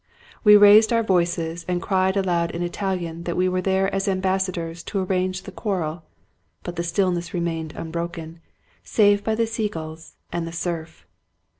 We raised our voices, and cried aloud in Italian that we were there as ambassadors to arrange the quarrel, but the stillness remained unbroken save by the seagulls and the surf.